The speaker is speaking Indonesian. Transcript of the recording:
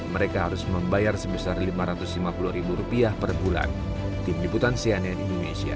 mereka harus membayar sebesar lima ratus lima puluh rupiah perbulan tim diputang sianian indonesia